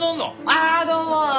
ああどうも！